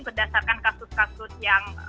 berdasarkan kasus kasus yang